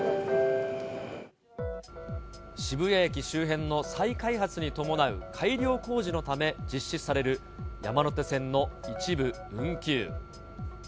渋谷駅周辺の再開発に伴う改良工事のため、実施される山手線の一部運休。